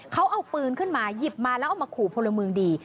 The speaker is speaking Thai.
เขาเอาปืนขึ้นมาหยิบมาแล้วเอามาขู่พลเมืองดี